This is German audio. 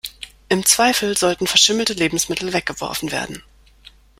Im Zweifel sollten verschimmelte Lebensmittel weggeworfen werden.